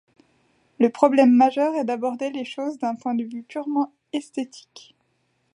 Le problème majeur est d'aborder les choses d'un point de vue purement esthétique.